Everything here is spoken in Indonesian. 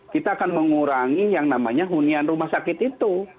kita akan mengurangi yang namanya hunian rumah sakit itu